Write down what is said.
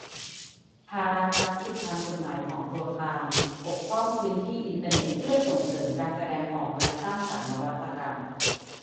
ภาระรับผิดทางกฎหมายของตัวกลาง : ปกป้องพื้นที่อินเทอร์เน็ตเพื่อส่งเสริมการแสดงออกและสร้างสรรค์นวัตกรรม